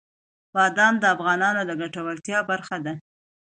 بادام د افغانانو د ګټورتیا برخه ده.